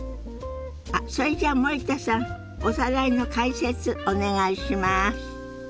あっそれじゃあ森田さんおさらいの解説お願いします。